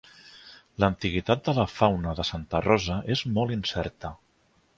L'antiguitat de la fauna de Santa Rosa és molt incerta.